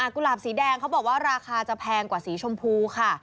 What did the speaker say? กุหลาบสีแดงเขาบอกว่าราคาจะแพงกว่าสีชมพูค่ะ